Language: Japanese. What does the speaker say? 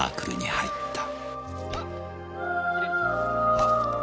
はっ！